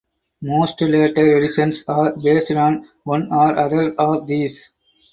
Most later editions are based on one or other of these.